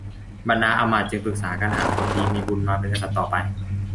บรรดาอำมาตย์จึงปรึกษากันหาคนดีมีบุญมาเป็นกษัตริย์ต่อไป